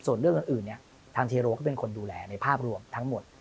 ส่วนเรื่องอื่นเนี่ยทางเทโรก็เป็นคนดูแลในภาพรวมทั้งหมด